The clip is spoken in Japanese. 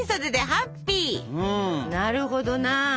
なるほどな。